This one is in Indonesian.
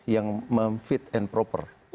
yang fit and proper